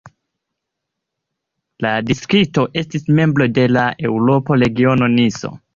La distrikto estis membro de la Eŭropa regiono Niso.